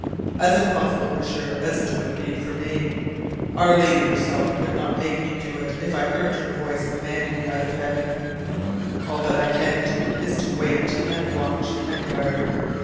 "As impossible, M'sieur, as it would be for me. And Our Lady herself could not make me do that if I heard Her voice commanding me out of Heaven. All that I can do is to wait, and watch, and guard.